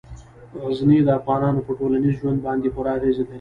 غزني د افغانانو په ټولنیز ژوند باندې پوره اغېز لري.